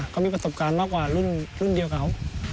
เขามีประสบการณ์มากกว่ารุ่นเดียวเขา